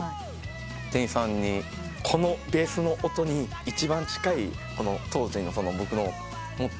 店員さんに「このベースの音に一番近い」当時の僕の持ってる金額。